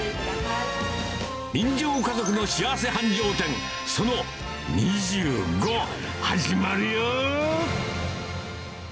人情家族の幸せ繁盛店、その２５、始まるよ。